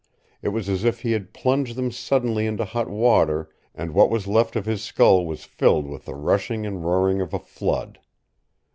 It was as if he had plunged them suddenly into hot water, and what was left of his skull was filled with the rushing and roaring of a flood.